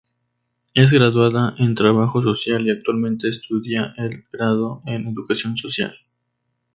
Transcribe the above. Es graduada en Trabajo Social y actualmente estudia el Grado en Educación Social.